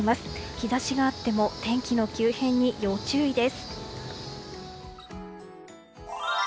日差しがあっても天気の急変に要注意です。